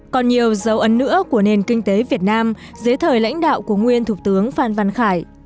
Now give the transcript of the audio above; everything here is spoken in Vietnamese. còn nhiều dấu ấn nữa của nền kinh tế việt nam dưới thời lãnh đạo của nguyên thủ tướng phan văn khải